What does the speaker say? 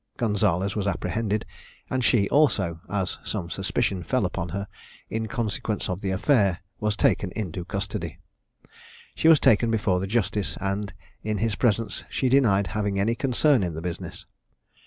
Gonzalez was apprehended, and she also, as some suspicion fell upon her, in consequence of the affair, was taken into custody. She was taken before the justice, and, in his presence, she denied having any concern in the business.